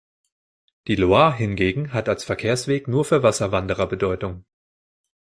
Die Loire hingegen hat als Verkehrsweg nur für Wasserwanderer Bedeutung.